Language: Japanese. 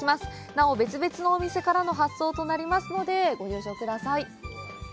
なお別々のお店からの発送となりますのでご了承ください